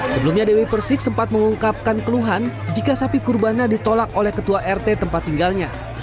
sebelumnya dewi persik sempat mengungkapkan keluhan jika sapi kurbana ditolak oleh ketua rt tempat tinggalnya